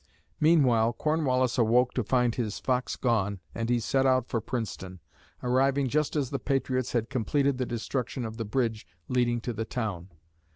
Meanwhile, Cornwallis awoke to find his "fox" gone and he set out for Princeton, arriving just as the patriots had completed the destruction of the bridge leading to the town.